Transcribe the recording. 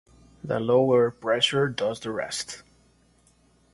The low air pressure does the rest.